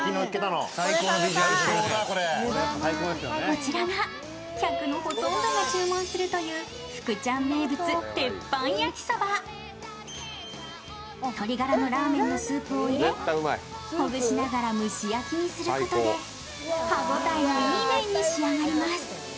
こちらが客のほとんどが注文するという鶏ガラのラーメンのスープを入れ、ほぐしながら蒸し焼きにすることで歯応えのいい麺に仕上がります。